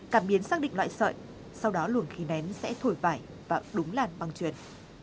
cảm biến xác định loại sợi sau đó luồng khí nén sẽ thổi vải và đúng làn băng truyền